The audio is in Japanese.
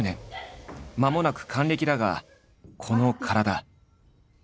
まもなく還暦だがこの体。